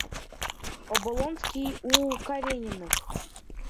Облонский у Карениных.